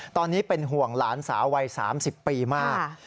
ตอนนี้เป็นห่วงหลานสาววัย๓๐ปีมาก